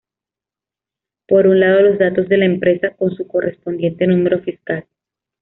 Por un lado los datos de la empresa, con su correspondiente número fiscal.